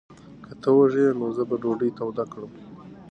که ته وږی یې، نو زه به ډوډۍ توده کړم.